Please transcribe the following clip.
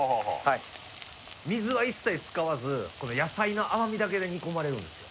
水は一切使わず野菜の甘みだけで煮込まれるんですよ